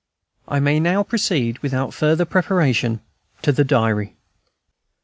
I may now proceed, without farther preparation to the Diary.